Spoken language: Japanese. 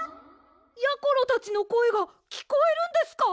やころたちのこえがきこえるんですか？